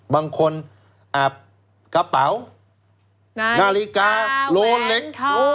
บางคนอาบกระเป๋านาฬิกาโลเล็ก